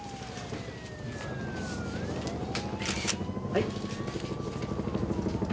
はい。